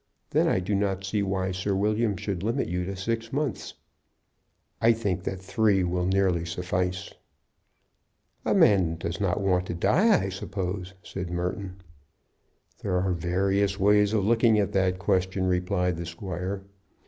Then I do not see why Sir William should limit you to six months." "I think that three will nearly suffice." "A man does not want to die, I suppose," said Merton. "There are various ways of looking at that question," replied the squire.